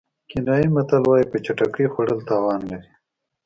کینیايي متل وایي په چټکۍ خوړل تاوان لري.